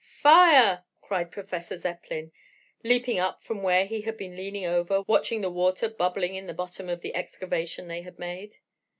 Fire!" cried Professor Zepplin, leaping up from where he had been leaning over, watching the water bubbling in the bottom of the excavation they had made.